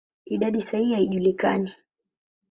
Idadi sahihi haijulikani.